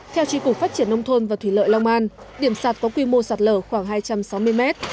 theo tri cục phát triển nông thôn và thủy lợi long an điểm sạt có quy mô sạt lở khoảng hai trăm sáu mươi mét